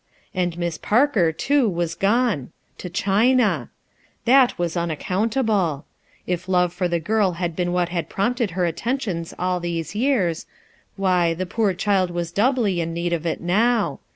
And Miss Parker, too, was gone — to China I That wa3 unaccount able. Tf love for the girl had been wliat had prompted her attentions all these years, THEY HATED MYSTERY 207 why, the poor child was doubly in need of it now.